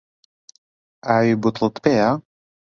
ئاوی بوتڵت پێیە؟